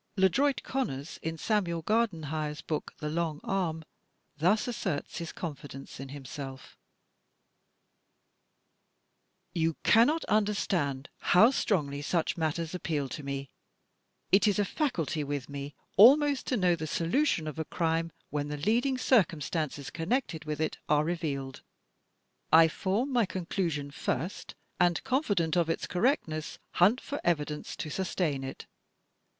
LeDroit Conners, in Samuel Gardenhire's book, "The Long Arm," thus asserts his confidence in himself: "You cannot understand how strongly such matters appeal to me. It is a faculty with me almost to know the solution of a crime when the leading circumstances connected with it are revealed. I form my conclusion first, and, confident of its correctness, hunt for evidence to sustain it.